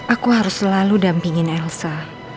aku harus selalu dampingin elsa